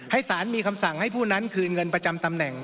สารมีคำสั่งให้ผู้นั้นคืนเงินประจำตำแหน่ง